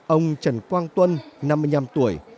ông trần quang tuân năm mươi năm tuổi